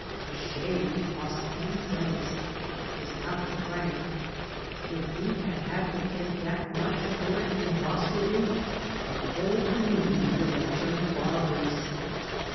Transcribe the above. A shave cost ten cents, which was half a franc; if we had had to pay that much for it in Vaslui the whole community would have turned barbers.